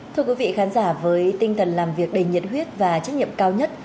thưa quý vị khán giả với tinh thần làm việc đầy nhiệt huyết và trách nhiệm cao nhất